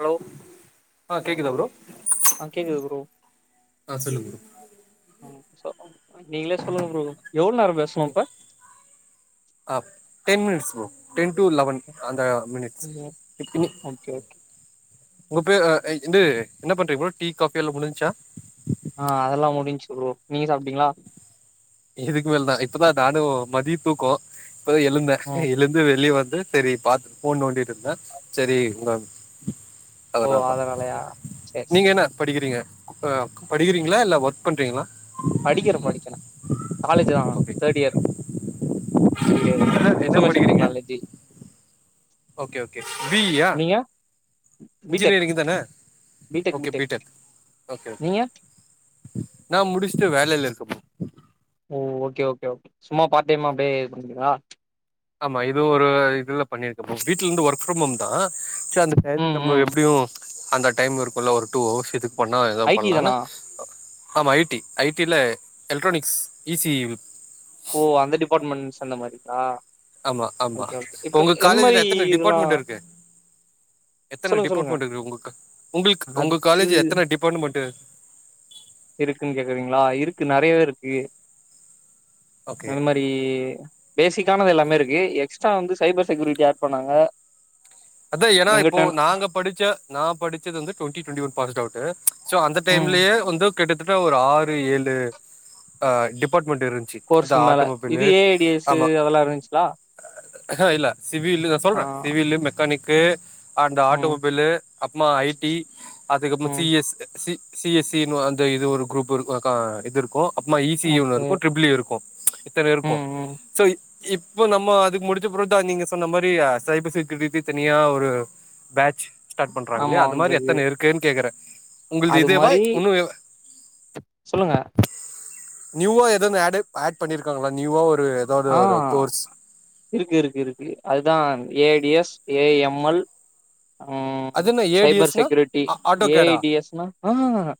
Hello ஆ கேக்குதா bro ஆ கேக்குது ப்ரோ ஆ சொல்லுங்க ப்ரோ [inaudible] நீங்களே சொல்லுங்க ப்ரோ எவ்ளோ நேரோ பேசனு இப்ப up ten minutes bro ten to eleven அந்த மினிட்ஸ் இன்னி ஓகே ஓகே உங்க பேர் ஆ இந்து இன்ன பண்ணுறீங்க ப்ரோ டீ காஃபி எல்லா முடிஞ்ச்சா ஆ அதெல்லா முடிஞ்சி ப்ரோ நீங்க சாப்டிங்களா இதுக்கு மேல் தா இப்பதா நானு மதிய தூக்கோ இப்பதா எழுந்தே ம் எழுந் ந்து வெளிய வந்து செரி பாத்து ஃபோன் நோண்டிட்டு இருந்தே சேரி உங்க ஓ அதனால தா அதனாலயா சேரி நீங்க சேரி என்ன படிக்கிறீங்க படிக்கிறீங்களா இல்ல ஒர்க் பண்றீங்களா படிக்கிற படிக்கிற காலேஜ் தா ஓகே தேர்ட் இயர் இது என்ன என்ன இன்பர்மேஷன் படிக்கிறீங்க technology okay okay B E யா நீங்க பி டெக் இன்ஜினரிங் தான B tech okay B tech B tech okay okay நீங்க நா முடிச்சுட்டு வேலில இருக்க ப்ரோ ஓ ஓகே ஓகே ஓகே சும்மா பார்டைமா அப்டியே இது பண்றிங்களா ஆமா இது ஒரு இதுல பண்ணியிருக்க ப்ரோ வீட்ல இருந்து ஒர்க் ஃப்ரம் ஹோம் தா அச்சோ அந்த ப்ராஜெட் ம் நம்போ ம் எப்டியு அந்த டைம் இருக்கு இல்ல ஒரு டூ ஹவர்ஸ் இதுக் பண்ணா ஐ எதாவ் டி தானா பண்லான்னு ஆமா ஐ டி ஐ டி ல எலக்ட்ரானிக்ஸ் இ சி இ ஓ அந்த டிபார்ட்மெண்ட்ஸ் அந்த மாறிங்ளா ஆமா ஆமா உங்க மாரி காலேஜ்ல எத்தன இதெல்லா டிபார்ட்மெண்ட் இருக்கு எத்தன சொல்லுங்க சொல்லுங்க டிபார்ட்மெண்ட் இருக்கு உங்க கா உங்களுக்கு உங்க அது காலேஜ்ல எத்தன டிபார்ட்மெண்ட்டு இருக்குன்னு கேக்கறீங். ளா இருக்கு நறையவே இருக்கு ஓகே அந்மாறி அப்டியே பேசிக்கானது எல்லாமே இருக்கு எக்ஸ்ட்டா வந்து சைபர் செக்யூரிட்டி ஆட் பண்ணாங்க அத்தா ஏன்னா இப்போ எங்கிட்டன் நாங்க படிச்ச நா படிச்சது வந்து twenty twenty one passed out so அந்த ம் டைம்லயே வந்து கிட்டத்தட்ட ஒரு ஆறு ஏழு அ டிபார்ட்மெண்ட் இருன்ச்சி கோர்சுக்கு மேல இது ஏ ஐ டி எஸ் சு அதெல்லா இருந்துச்சுங்ளா அ அ இல்ல சிவில்லு நா சொல்றே சிவில்லு மெக்கானிக்கு அண்ட் ம் ஆட்டோமொபைல்லு அப்மா ஐ டி அதுக்கப்பறமா சி ம் S C C S C ன்னு அந்த இது ஒரு குரூப் இருக்கு அக்கா இது இருக்கு அப்புறமா இ சி இ ஒன்னு ஓகே இருக்கும் ட்ரிபிள் இ இருக்கும் இத்தன இருக்கும் ம் ம் சோ இப்போ நம்ம அது முடிச்ச அப்றோ தா நீங்க சொன்ன மாறி சைப்பர் செக்யூரிட்டி இது தனியா ஒரு பேட்ச் ஸ்டார்ட் பண்றாங்க ஆமா இல்லையா அது மாறி வந்திருக்கு எத்தன இருக்குன்னு கேக்குறே உங்குள்து அது இதேவா மாரி உன்னு சொல்லுங்க நியூவா ஏதன்னு ஆடே ஆட் பண்ணியிருக்காங்களா நியூவா ஒரு ஏதாவது ஆ ஒரு கோர்ஸ் இருக்கு இருக்கு இருக்கு அதுதா A D S A M L ம் அது என்ன ஏ டி சைபர் எஸ் னா செக்யூரிட்டி ஆ ஆட்டோ ஏ ஐ கேடா டி எஸ் னா அ அ அ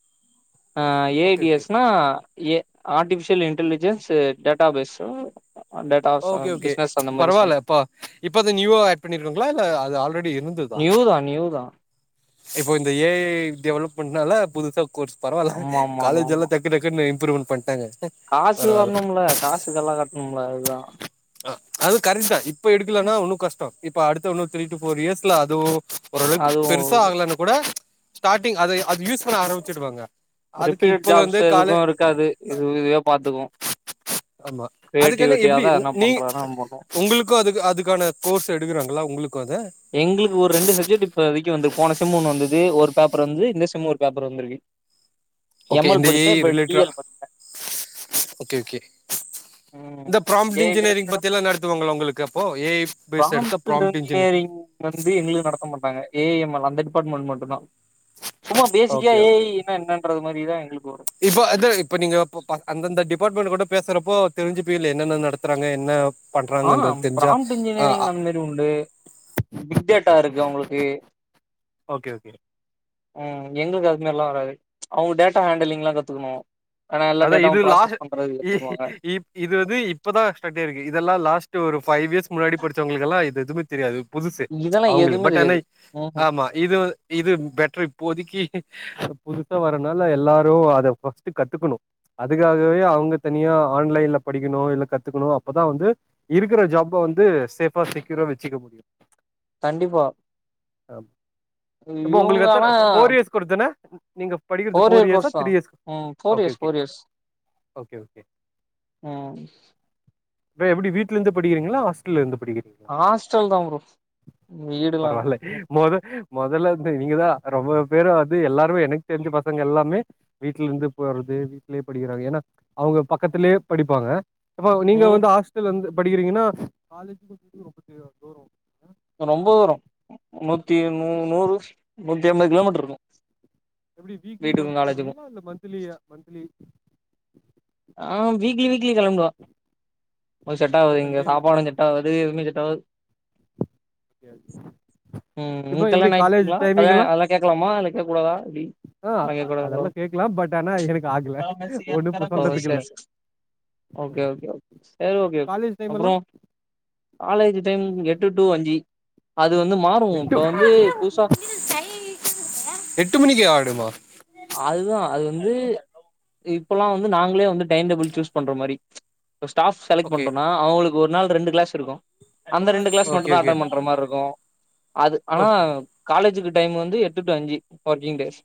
அ எ ஓகே டி ஓகே எஸ் னா ஏ ஆர்ட்டிபிஷியல் இன்டலிஜென்ஸ் டேட்டாபேஸ்சோ அண்ட் டேட்டாஸ் ஆ பிசனஸ் அந்த மாறி சம் இப்பதா நியூவா ஆட் பண்ணிருக்காங்களா இல்ல அது ஆல்ரெடி இருந் நியூதா நியூதா இப்போ இந்த ஏ ஐ டெவலப்மெண்ட்னால புதுசா கோர்ஸ் பரவால்ல ஆமா ஆமா ஆமா ஆமா காலேஜெல்லா டக் கு டக்குனு இம்ப்ரூமன்ட் பண்ட்டாங்க காசு பரவால்ல வரணுமில்ல காசு கல்லா கட்ணுமில்ல அதுதா அ அது கரக்ட்தா இப்ப எடுக்கலன்னா உன்னு கஷ்டோ இப்ப அடுத்த உன்னு த்ரீ டு ஃபோர் இயர்ஸ்ல அதுவு ஓரளவுக்கு அதுவு பெருசா ஆகலன்னா கூட ஸ்டாட்டிங் அ அது யூஸ் க்குன்னு ஆரம்பிச்சிடுவாங்க அதுக்கு ரிப்பீட்டட் இப்பல ஜாப்ஸ் இருந்தோ காலே எதுக்கு இருக்காது இது இதுவே பாத்துக்கும் ஆமா அதுக்குன்னு எப்டி தா எதனா நீ பண்றதுனா பண்ணுவோ உங்களுக் கும் அது அதுக்கான கோர்ஸ் எடுக்கறாங்கல்ல உங்களுக்கும் அத எங்களுக்கு ஒரு ரெண்டு சப்ஜெக்ட் இப்போ வரைக்கு வந்து போன செம் ஒன்னு வந்தது ஒரு பேப்பரு வந்து இந்த செம் ஒரு பேப்பரு வந்திருக்கு ஓகே எம் எல் படிச்சே இப்ப டி எல் படிக்கிறே ஓக்கே ஓக்கே ம் இந்த ப்ராம்ட் ஏ இன்ஜினியரிங் ரிலேட்டடா பத்தில்லா நடத்துவாங்களா உங்களுக்கு அப்போ ஏ ஐ பேஸ் எடுத்தா ப்ராம்ப்ட் ஃப்ராம்ட் இன் இன்ஜினியரிங் வந்து எங்களுக்கு நடத்த மாட்டாங்க ஏ எம் எல் அந்த டிபார்ட்மெண்ட் மட்டுந்தா சும்மா பேசிக்கா okay A okay I okay ன்னா என்னன்றது மாறிதா எங்களுக்கு வரும் இப்போ அந்த இப்ப நீங்க அந்தந்த டிபார்ட்மெண்ட் கூட பேசறப்போ தெரிஞ்சுப்பீங்கல்ல என்னென்ன நடத்றாங்க என்ன ஆ பண்றாங்கன்றது தெரிஞ்சா ஃப்ராம்ட் ஆ இன்ஜினியரிங் ஆ அந்த மாறி உண்டு பிக் டேட்டா இருக்கு அவங்களுக்கு ஓகே ஓகே ம் எங்ளுக்கு அதுமாரிலா வராது அவுங்க டேட்டா ஹேண்டலிங்லா கத்துக்கணு ஆனா எல்லா அதா இது டேட்டாவு ப்ராசஸ் லாஸ்ட் பண்றதுக்கு இ கத்துக்க சொல்லுவாங்க இப் இது வந்து இப்பதா ஸ்டர்ட் ஆயிருக்கு இதெல்லா லாஸ்ட் ஒரு ஃபை இயர்ஸ்க்கு முன்னாடி படிச்சவங்களுக்குல்லா இது தெரியாது புதுசு இதெல்லா அவுங்களுக்கு எதுவுமே பட் ஆனா தெரியாது ம்ஹும் ஆமா இது இது பெட்ரு இப்போதைக்கு புதுசா வரதுனால எல்லாரு அதை பஸ்ட் கத்துக்குணு அதுக்காகவே அவுங்க தனியா ஆன்லைன்ல படிக்கணு இல்ல கத்துக்கணு அப்பதா வந்து இருக்குற ஜாப வந்து சேஃப்பா செக்யூரா வச்சுக்க முடியு கண்டிப்பா ஆ இப்ப இவங்க உங்ளுக்கு ஆனா எத்த ஃபோர் இயர்ஸ் [unintelligible] துன நீங்க படிக்கிறது ஃபோர் இயர் இயர்ஸ் கோர்ஸ் தா த்ரீ இயர் ம் அ four okay years okay four years bro ம் எப்டி வீட்டுலருந்து படிக்கிறீங்ளா ஹாஸ்டல்ல இருந்து படிக்கிறீங்ளா ஹாஸ்டல்தா ப்ரோ வீடுல்லா இல்ல பரவால்ல மொத மொதல்ல வந்து நீங்கதா ரொம்ப பேரு அது எல்லாருமே எனக்கு தெரிஞ்சு பசங்க எல்லாமே வீட்ல இருந்து போறது வீட் லியே படிக்கிறாங்க ஏனா அவுங்க பக்கத்திலே படிப்பாங்க இப்ப நீங்க ம் வந்து ஹாஸ் டல்ல வந்து படிக்றீங்கன்னா காலேஜ் ரொம்ப தூரமோ ரொம்ப வரு நூத்தி நூ நூறு நூத்தி அம்பது கிலோமீட்ரு இருக்கு எப்டி வீக்லி வீட்டுக்கு ஒன்ஸ் காலேஜுக்கு பொயிடுவீங்ளா இல்ல மந்த்லி மந்த்லி ஆ வீக்லி வீக்லி கெளம்பிடுவே செட் அந்த ஆகாது இங்க சண்டேல சாப்பாடு ஆ அது ஒன்னு செட்டாவாது ஓகே ம் கல்யாணோ ஆயிட்டுங்ளா கல்யாணோ அதெல்லா கேக்லாமா இல்ல கேக்க கூடாதா எப்டி அ கேக்க கூடாதுங்களோ அதெல்லா கேக்கலா பட் ஆனா எனக்கு ஆகல ஒண்ணு ஓ சொல்றதுக்கு இல்ல சேரி சேரி ஓகே ஓகே சேரி ஓகே ப்ரோ காலேஜ் டைம் அப்பறோ எல்லாம் காலேஜ் டைம் எட்டு டூ அஞ்சு அது வந்து மாரு எட்டு இப்ப வந்து புதுசா எட்டு மணிக்கு ஆகிடுமா அதுதா அது வந்து இப்பெல்லா வந்து நாங்ளே வந்து டைம் டேபிள் சூஸ் பண்ற மாரி ஸ்டாஃப் செலக்ட் ஓகே. பண்றோம்னா அவுங்களுக்கு ஒரு நாள் ரெண்டு க்ளாஸ் இருக்கு அந்த ரெண்டு கிளாஸ் மட்டு ஓகே, தா ஓகே, அட்டன் பண்ற மாரி இருக்கு அது ஆனா ஓகே. காலேஜ்க்கு டைம் வந்து எட்டு டு அஞ்சு ஒர்க்கிங் டேஸ்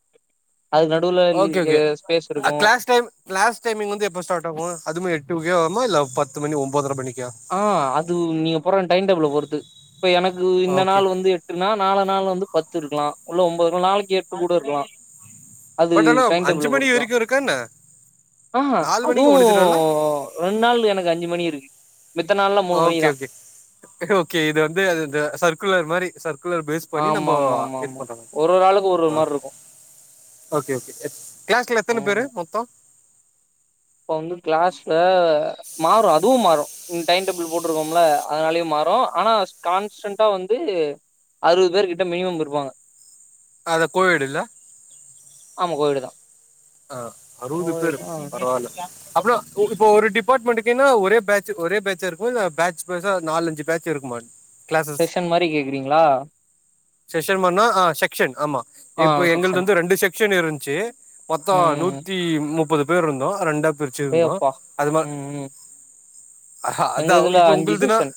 அதுக்கு நடுவுல ஓகே ஓகே ஸ்பேஸ் இருக்கும் க்ளாஸ் டைம் க்ளாஸ் டைமிங் வந்து எப்ப ஸ்டார்ட் ஆகு அதுவு எட்டு மணிக்கே ஆகமா இல்ல பத்து மணி ஒன்பதர மணிக்கா ஆ அது நீங்க போட்ற அந்த டைம் டேபிள்ள பொறுத்து இப்ப எனக்கு இந்த ஓகே நாள் வந்து எனா நாலா நாள் வந்து பத்து இருக்லா இல்ல ஒன்பது நாளைக்கு எட்டு கூட இருக்லா அது பட் ஆனா டைம்டேபிள்ள அஞ்சு மணி பொருத்லுதா வரைக்கு இருக்கா என்ன ஆஹா நாலு அதுவு மணிக்கு முடிஞ்சிடும்ல ரெண்ட் நாளு எனக்கு அஞ்சு மணி இருக்கு மித்த நாள்லா மூணு மணி ஓகே தான் ஓகே ஓகே இது வந்து சர்க்குலர் மாரி சர்க்குலர் பேஸ் பண்ணி ஆமா நம்போ ஆமா இது ஆமா வெயிட் ஆமா பண்றமாரி ஒரு ஒரு ஆளுக்கு ஒரு ஒரு அ மாரி இருக்கும் ஓகே ஓகே க்ளாஸ்ல எத்தன பேரு ம் மொத்தோ இப்ப வந்து க்ளாஸ்ல மாறு அதுவு மாறு டைம் டேபிள் போட்ருக்கோம்ல அதனாலயு மாறு ஆனா கான்ஸ்டன்ட்டா ஆ வந்து அறுவது பேர்கிட்ட மினிமம் இருப்பாங்க அது கோயேடு இல்ல ஆமா கோயேடு தா ஆ அறுபது பேரு பரவாயில்ல அப்பறோ உகிட் இப்ப ஒரு டிபார்ட்மெண்ட்டுக்குன்னா ஒரே பேட்ச் ஒரே பேட்ச்சா இருக்குமா இல்ல பேட்சு பேச்சா நாலஞ்சு பேட்ச் இருக்குமா கிளாஸஸ் செஷக்சன் மாரி கேக்குறீங்களா செஷன் மாரின்னா அ செக்ஷக்சன் ஆமா ஆ இப்ப எங்களது செக்ஷன் வந்து ரெண்டு செக் க்ஷன் இருந்துச்சு மொத்த ம் நூத்தி முப்பது பேர் இருந்தோ ரெண்டா பிரிச்சு இருந்தோ அடேயப்பா அது ம ம் ம் எங்க அதா இதுல இப்ப அஞ்சு உங்களுதுனா செக்ஷன்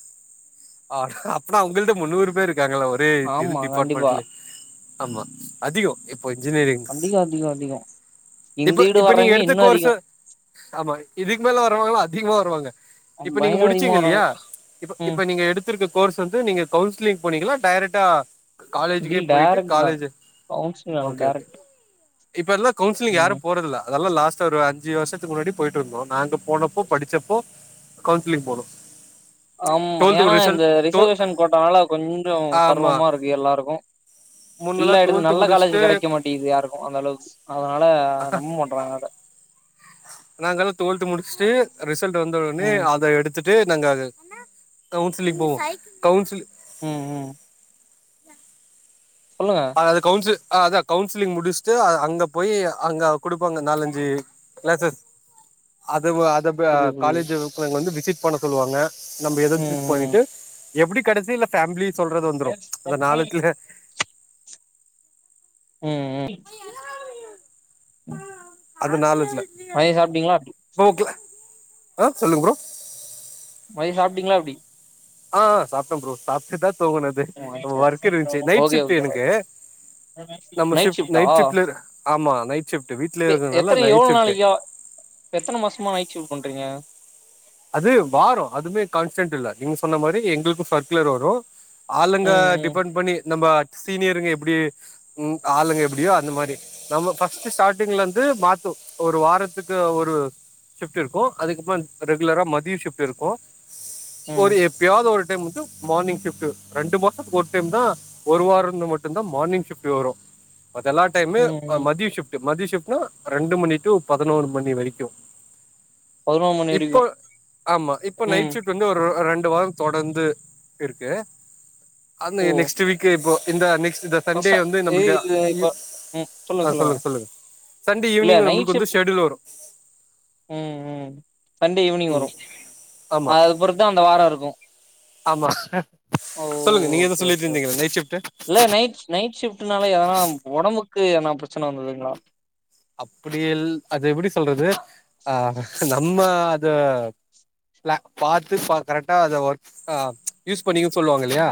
அப்பனா உங்க்ள்தே முன்னூறு பேர் இருக்காங்கள ஒரே இது ஆமா கண்டிப்பா டிபார்ட்மெண்ட்லே ஆமா அதிகோ இப்போ இன்ஜினியரிங் அதிகோ அதிகோ அதிகோ இந்தயீடு இப்ப நீங்க வர்றவிங்க எடுத்த இன்னு அதிகோ கோர்ஸு ஆமா இதுக்கு மேல வருவாங்கள அதிகமா வருவாங்க இப்ப நீங்க பயங்கர அதிகமா முடிச்சீங்க வராங்க இல்லையா இப் ம் இப்ப நீங்க எடுத் திருக்க கோர்ஸ் வந்து நீங்க கவுன்சிலிங் போனீங்கனா டைரெக்டா காலேஜ்க்கே போயிட்டு டேரக்ட் தா college counsellor okay okay direct இப்ப எல்லா கவுன்சிலிங் யாரு ம் போறதுல்ல அதெல்லா லாஸ்ட்டா ஒரு அஞ்சு வருத்துக்கு முன்னாடி போயிட்டு இருந்தோ நாங்க போனப்போ படிச்சப்போ கவுன்சிலிங் போனோ ஆமா ஏன்னா டுவெல்த்து இந்த ரிசல்ட் டோ ரிசர்வேஷன் கொட்டாவல கொஞ்சோ ஆமா சிரம்மா இருக்கு எல்லாருக்கு முன்னெல்லா இல்லா எடுத்து டுவெல்த்து நல்ல காலேஜ் முடிச்சுட்டு கெடைக்க மாட்டேங்குது யாருக்கு அந்த அளவுக்கு அதனால நம்ப மாட்றாங்க யாரு நாங்கெல்லா டுவெல்த் முடிச்சுட்டு ரிசல்ட் வந்த உடனே ம் அத எடுத் துட்டு நாங்க அத கவுன்சிலிங் போவோ கவுன்சில் ம் ம் சொல்லுங்க அது கவுன்சில் அத கவுன்சிலிங் முடிச்சுட்டு அ அங்க போய் அங்க கொடுப்பாங்க நாலஞ்சு கிளாஸஸ் அது அத அ புரியுது புரியுது காலேஜ வந்து விசிட் பண்ண சொல்லுவாங்க நம்ம எதுன்னு ம் சூஸ் ம் பண்ணிட்டு எப்டி கடசில ஃபேம்லி சொல்றது வந்துரு அந்த நாலத்துல ம் ம் அது நாலுல்ல மதியோ சாப்டீங்களா எப்டி ஓக் இல்ல ஆ சொல்லுங்க ஃப்ரோ மதியோ சாப்பிட்டீங்களா எப்டி ஆ அ சாப்பிட்டே ஃப்ரோ சாப்பிட்டுதா தூங்கனது ஓ, நம்ம சரி, வோர்க் சரி. இருந்துச்சு நைட் ஓகே ஷிப்ட் ஓகே எனக்கு ரைட் நம்ம ஷிப் நைட் ஷிப்ல இ ஆமா நைட் ஷிஃப்ட் வீட்லய இருதுனல்ல நைட் ஷிப்ட் எத்தனை மாசமா நைட் ஷிப்ட் பண்றீங்க அது வாரோ அதுமே கான்ஸ்டன்ட் இல்ல நீங்க சொன்ன மாரி எங்களுக்கு சர்க்குலர் வரு ஆளுங்க ம் ம் டிபெண்ட் பண்ணி நம்ம சீனியருங்க எப்டி ம் ஆளுங்க எப்டியோ அந்த மாரி நம்ம ப்ஸ்ட் ஸ்டார்டிங்ல இருந்து மாத்து ஒரு வாரத்துக்கு ஒரு ஷிப்ட் இருக்கு அதுக்கப்புற ரெகுலரா மதிய ஷிப்ட் இருக்கு ஒரு ம் எ ப்பயாவது ஒரு டைம் மட்டு மார்னிங் ஷிப்ட் ரெண்டு மாசத்துக்கு ஒரு டைம் தா ஒரு வாரம் மட்டும்தா மார்னிங் ஷிஃப்ட் வரு அதெல்லா டைம்மு ம் ம் மதிய ஷிப்ட் மதிய ஷிட்ப்னா ரெண்டு மணி டு பதினோரு மணி வரைக்கு பதினோரு மணி இப்போ வரைக்கு ஆமா இப்போ நைட் ம் ஷிப்ட்டு வந்து ஒரு ரெண்டு வாரோ தொடர்ந்து இருக்கு அந்த ஓ நெக்ஸ்ட்டு வீக் இப்போ இந்த நெக்ஸ்ட் சண்டே கஷ்ட வந்து ஏய் நம்மளுக்கு இது இ இப்ப அ சொல்லுங்க சொல்லுங்க சண்டே இல்ல ஈவினிங் நைட் நம்மளுக்கு வந்து ஷிஃப்ட் ஷெடியுல் வரு ம் ம் சண்டே ஈவினிங் வரு ம் ஆமா அது பொறுத்தா அந்த வாரோ இருக்கு ஆமா ஓ சொல்லுங்க நீங்க ஏதோ ஓகே சொல்லிட்டு ஓகே இருந்தீங்க நைட் ஷிஃப்ட் இல்ல நைட் நைட் ஷிப்ட்னால எதனா ஒடம்புக்கு எதுன்னா ப்ரச்சன வந்ததுங்களா அப்டி இல் அது எப்டி சொல்றது ஆ நம்ம அத ல பாத்து பா கரெக்டா அத ஒர்க் ஆ யூஸ் பண்ணீங்கன்னு சொல்லுவாங்க இல்லையா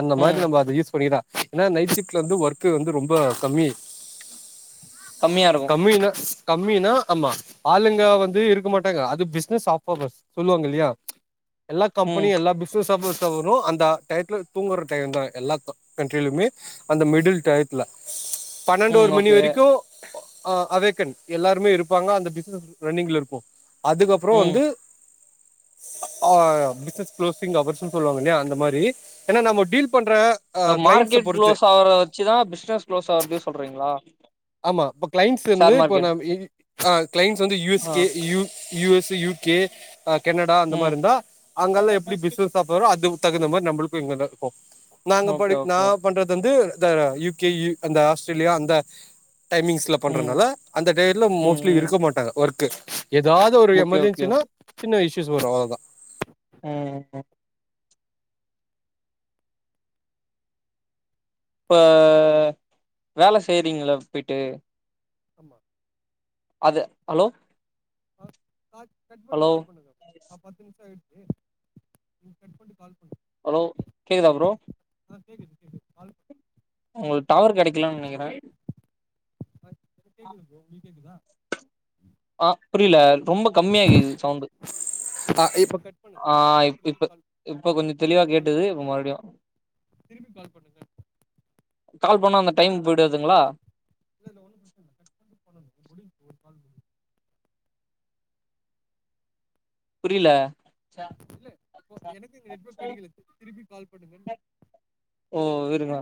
அந்த ம் மாரி நம்ம அத யூஸ் பண்ணிகிட்ட ஏன்னா நைட் ஷிப்ட்லருந்து ஒர்க் வந்து ரொம்ப கம்மி கம்மியா இருக்கு கம்மின கம்மினா ஆமா ஆளுங்க வந்து இருக்க மாட்டாங்க அது பிசினஸ் [unintelligible] சொல்லுவாங்க இல்லையா எல்லா ம் கம்பெனியு எல்லா பிஸ் னஸ் [unintelligible] வரு அந்த டைத்துல தூங்குற டைம் தா எல்லா க கண்ட்ரிலுமே அந்த மிடில் டையத்துல பன்னெண்டு ம் ஒரு மணி ஓகே வரைக்கு ஆ அவேகன் எல்லாருமே இருப்பாங்க அந்த பிசினஸ் ரன்னிங்ல இருக்கு அதுக்கப்பறோ ம் வந்து ஆ பிசினஸ் குளோசிங் ஹவர்ஸ்ஸுனு சொல்லுவாங்க இல்லையா அந்த மாரி ஏன்னா நம்ம டீல் பண்ற ஆ கிளைண்ட்ஸ மார்க்கெட் பொறுத்து குளோஸ் ஆகுறத வச்சுதா பிசினஸ் குளோஸ் ஆகறதையு சொல்றீங்களா ஆமா இப்ப கிளைண்ட்ஸ் வந்து ஷேர் இப்ப மார்க்கெட் நம் இ வி கிளைண்ட்ஸ் வந்து யூ எஸ் ஆ கே யூ யூ எஸ் ஸு யூ கே அ கனடா அந்த மாரி ம் இருந்தா அங்கெல்லா எப்டி பிசினஸ் ஆஃபறோ அதுக்கு தகுந்த மாரி நம்மக்கு இங்கதா இருக்கு நாங்க ஓகே படிக் ந ஓகே பண்றது வந்து இந்த யூ கே அந்த ஆஸ்திரேலியா அந்த டைமிங்ஸ்ல ம் பண்றதுனால அந்த டேல ம் மோஸ்ட்லி ம் இருக்க மாட்டாங்க ஒர்க் ஏதாவ்து ஒரு ஓகே ஓகே எமெர்ஜென்சினா ஓகே சின்ன இஷயூஸ் வரு அவ்ளோதா ம் ம் இப்ப வேல செய்றீங்களா போய்ட்டு ஆமா அது ஹலோ கால் கட் ஹலோ பண்ணிட்டு கால் பண்ணுங்க ஆ பத்து நிம்ஷ ஆய்டுச்ச நீங்க கட் பண்ட்டு கால் பண்ணு ஹலோ கேக்குதா ப்ரோ ஆ கேக்குது கேக்குது கால் பண் உங்களுக்கு டாவவர் கெடைக்கலாம்னு நெனைக்கிறே [unintelligible] எனக் கேக்குது ப்ரோ உங்களுக் கேக்குதா ஆ புரியில ரொம்ப கம்மியா கேக்குது சவுண்டு ஆ இப்ப கட் பண் ஆ இப்ப இப்ப கொஞ்சோ தெளிவா கேட்டது இப்ப மறுபடியு திரும்பி கால் பண்ணுங்க கால் பண்ணா அந்த டைம் போய்டாதுங்களா இல்ல இல்ல ஒன்னு ப்ரச்சனைல்ல கட் பண்ணிட்டு பண்ணனும் முடிஞ்சுச்சு ஒரு கால் முடிஞ்சுச்சு புரியில இல்ல இப்போ எனக்கு இங்க நெட்வொர்க் கெடக்கிலா திருப்பி கால் பண்ணங்கன் ஓ விருங்க